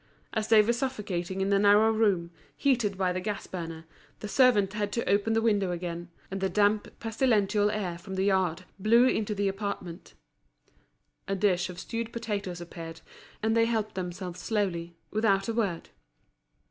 As they were suffocating in the narrow room, heated by the gas burner, the servant had to open the window again; and the damp, pestilential air from the yard blew into the apartment. A dish of stewed potatoes appeared, and they helped themselves slowly, without a word.